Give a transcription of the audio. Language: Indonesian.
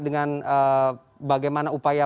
dengan bagaimana upaya